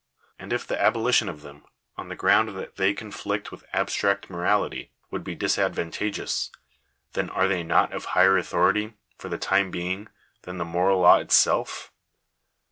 and if the abolition of them, on the ground that they conflict with abstract morality, would be disadvantageous, then, are they not of higher authority, for the time being, than the moral law itself?